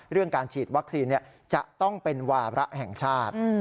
เรื่องการฉีดวัคซีนจะต้องเป็นวาระแห่งชาติ